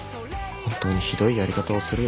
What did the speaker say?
本当にひどいやり方をするよ。